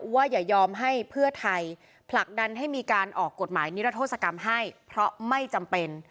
อย่ายอมให้เพื่อไทยผลักดันให้มีการออกกฎหมายนิรโทษกรรมให้เพราะไม่จำเป็น